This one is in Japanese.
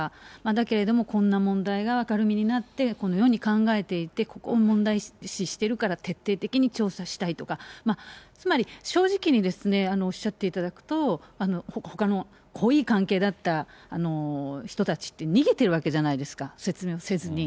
だけれども、こんな問題が明るみになってこのように考えていて、ここを問題視してるから徹底的に調査したいとか、つまり正直におっしゃっていただくと、ほかの、濃い関係だった人たちって逃げているわけじゃないですか、説明せずに。